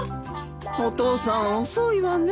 お父さん遅いわね。